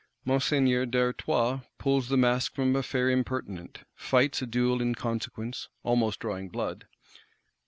Monseigneur d'Artois pulls the mask from a fair impertinent; fights a duel in consequence,—almost drawing blood.